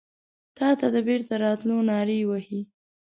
تاته د بیرته راتلو نارې وهې